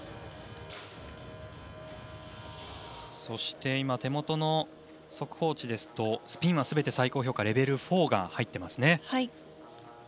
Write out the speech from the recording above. そして、今手元の速報値ですとスピンはすべて最高評価レベル４が入っていますね。